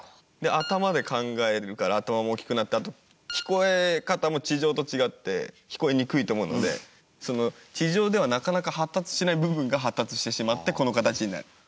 で頭で考えるから頭も大きくなってあと聞こえ方も地上と違って聞こえにくいと思うので地上ではなかなか発達しない部分が発達してしまってこの形になる。